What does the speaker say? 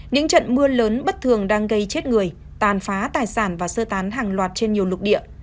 những trận mưa lớn bất thường đang gây chết người tàn phá tài sản và sơ tán hàng loạt trên nhiều lục địa